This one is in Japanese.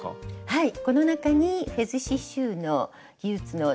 はい。